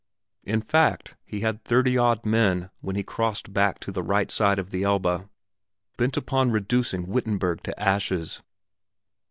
In fact, he had thirty odd men when he crossed back to the right side of the Elbe, bent upon reducing Wittenberg to ashes.